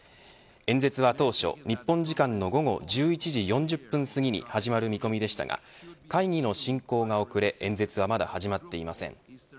演説は当初、日本時間の午後１１時４０分過ぎに始まる見込みでしたが会議の進行が遅れ演説はまだ始まっていません。